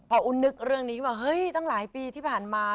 พออุ้มนึกเรื่องนี้ว่าเฮ้ยตั้งหลายปีที่ผ่านมา